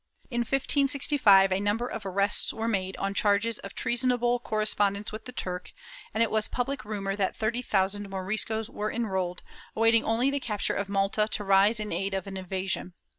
'* In 1565, a number of arrests were made on charges of treasonable corre spondence with the Turk, and it was public rumor that thirty thousand Moriscos were enrolled, awaiting only the capture of Malta to rise in aid of an invasion.